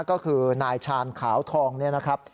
ก็คือนายชาญขาวทองเนี่ยนะครับ